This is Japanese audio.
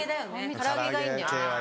唐揚げがいいんだよね。